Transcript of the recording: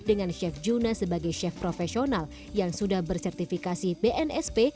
dengan chef juna sebagai chef profesional yang sudah bersertifikasi bnsp